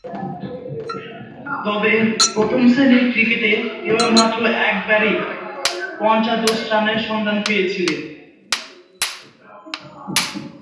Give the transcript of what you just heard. তবে, প্রথম-শ্রেণীর ক্রিকেটে কেবলমাত্র একবারই পঞ্চাশোর্ধ্ব রানের সন্ধান পেয়েছিলেন।